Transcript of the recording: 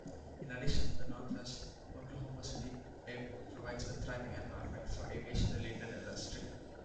In addition, the northwest Oklahoma City airport provides a thriving environment for aviation-related industry.